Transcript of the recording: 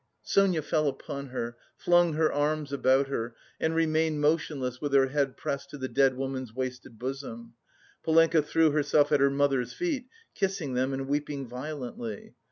Sonia fell upon her, flung her arms about her, and remained motionless with her head pressed to the dead woman's wasted bosom. Polenka threw herself at her mother's feet, kissing them and weeping violently.